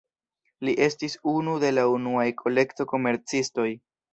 Li estis unu de la unuaj kolekto-komercistoj.